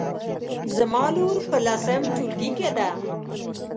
زما لور په لسم ټولګي کې ده